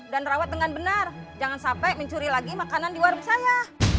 dan rawat dengan benar jangan sampai mencuri lagi makanan di warung saya